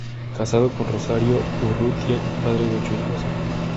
Casado con Rosario Urrutia, padre de ocho hijos.